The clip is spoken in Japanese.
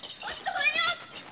ごめんよ！